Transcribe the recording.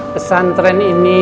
pesan tren ini